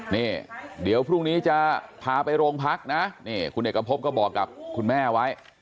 นี่เดี๋ยวพรุ่งนี้จะพาไปโรงพักนะนี่คุณเอกพบก็บอกกับคุณแม่ไว้